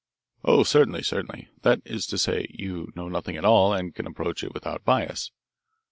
"Oh, certainly, certainly. That is to say, you know nothing at all and can approach it without bias."